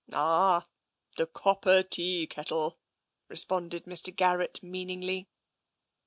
" Ah ! The copper tea kettle I " responded Mr. Gar rett meaningly.